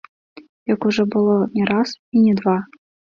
Як ужо было не раз і не два.